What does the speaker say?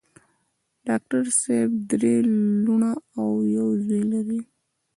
ډاکټر صېب درې لوڼه او يو زوے لري